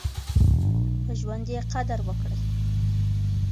په ژوند يې قدر وکړئ.